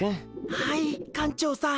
はい館長さん。